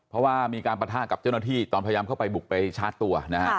เพราะว่ามีการปะทะกับเจ้าหน้าที่ตอนพยายามเข้าไปบุกไปชาร์จตัวนะฮะ